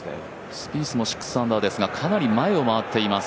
スピースも６アンダーですがかなり前を回っています。